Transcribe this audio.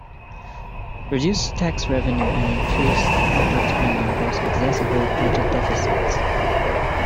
Reduced tax revenue and increased public spending both exacerbate budget deficits.